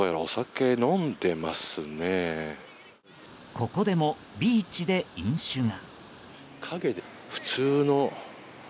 ここでもビーチで飲酒が。